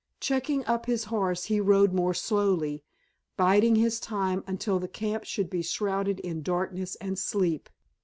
Checking up his horse he rode more slowly, biding his time until the camp should be shrouded in darkness and sleep.